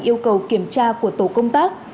yêu cầu kiểm tra của tổ công tác